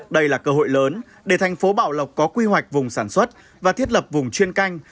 đây là cơ hội lớn để thành phố bảo lộc có quy hoạch vùng sản xuất và thiết lập vùng chuyên canh